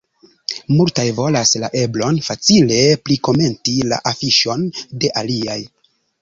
Multaj volas la eblon facile prikomenti la afiŝon de aliaj.